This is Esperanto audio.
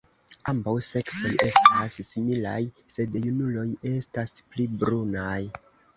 Ambaŭ seksoj estas similaj, sed junuloj estas pli brunaj.